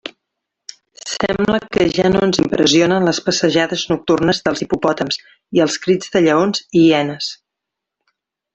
Sembla que ja no ens impressionen les passejades nocturnes dels hipopòtams i els crits de lleons i hienes.